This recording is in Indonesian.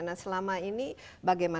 nah selama ini bagaimana